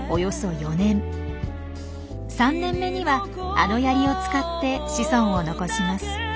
３年目にはあのヤリを使って子孫を残します。